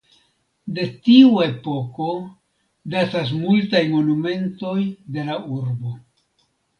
De tiu epoko datas multaj monumentoj de la urbo.